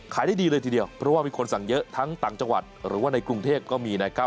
ได้ดีเลยทีเดียวเพราะว่ามีคนสั่งเยอะทั้งต่างจังหวัดหรือว่าในกรุงเทพก็มีนะครับ